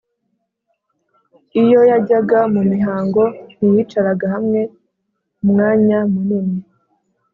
iyo yajyaga mu mihango ntiyicaraga hamwe umwanya munini